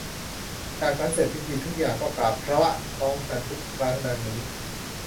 จากนั้นเสร็จพิธีทุกอย่าง ก็กราบพระพร้อมกันอีกครั้ง ดังนี้